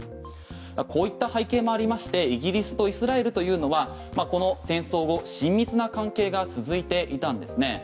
こういった背景もありましてイギリスとイスラエルというのはこの戦争後親密な関係が続いていたんですね。